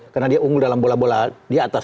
karena dia unggul dalam bola bola di atas